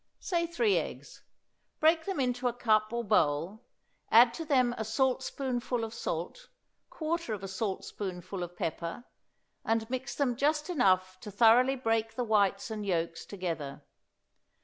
Say three eggs; break them into a cup or bowl; add to them a saltspoonful of salt, quarter of a saltspoonful of pepper, and mix them just enough to thoroughly break the whites and yolks together.